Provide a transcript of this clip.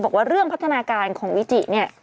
บอกว่าเรื่องพัฒนาการของวิจิเนี่ย